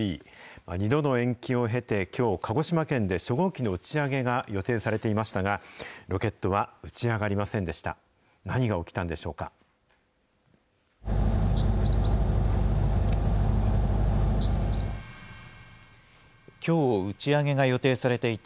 ２度の延期を経て、きょう鹿児島県で初号機の打ち上げが予定されていましたが、ロケットは打ち上がりませんでした。